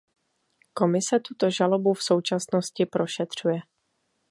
Komise tuto žalobu v současnosti prošetřuje.